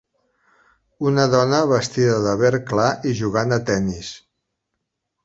Una dona vestida de verd clar i jugant a tennis.